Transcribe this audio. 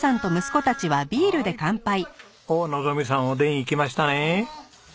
はーい！おっのぞみさんおでんいきましたね！